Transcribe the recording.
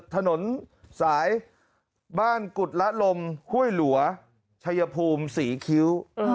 ถนนสายบ้านกุฎละลมห้วยหลัวชัยภูมิศรีคิ้ว